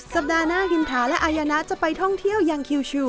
สัปดาห์หน้าอินทาและอายนะจะไปท่องเที่ยวยังคิว